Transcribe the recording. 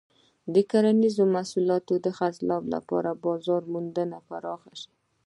د کرنیزو محصولاتو د خرڅلاو لپاره بازار موندنه پراخه شي.